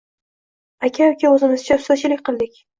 Aka-uka o‘zimizcha “ustachilik” qildik.